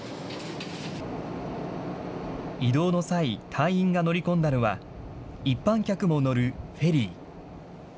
移動の際、隊員が乗り込んだのは、一般客も乗るフェリー。